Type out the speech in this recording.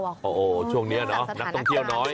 โอ้โหช่วงนี้เนาะนักท่องเที่ยวน้อย